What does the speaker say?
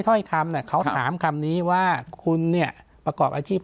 ถ้อยคำเนี่ยเขาถามคำนี้ว่าคุณเนี่ยประกอบอาชีพ